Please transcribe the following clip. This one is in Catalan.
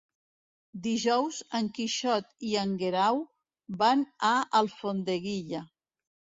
Dijous en Quixot i en Guerau van a Alfondeguilla.